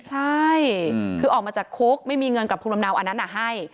ใช่คือออกมาจากคุกไม่มีเงินกับภูมิลำเนาอันนั้นให้